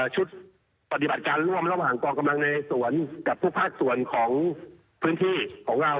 ชุดปฏิบัติการร่วมระหว่างกองกำลังในสวนกับทุกภาคส่วนของพื้นที่ของเรา